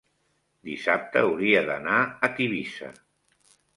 dissabte hauria d'anar a Tivissa.